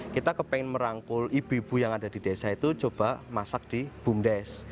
kita kepengen merangkul ibu ibu yang ada di desa itu coba masak di bumdes